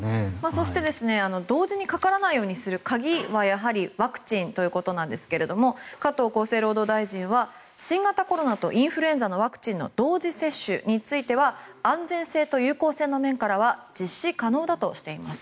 そして、同時にかからないようにする鍵はやはりワクチンということなんですが加藤厚生労働大臣は新型コロナとインフルエンザのワクチンの同時接種については安全性と有効性の面からは実施可能だとしています。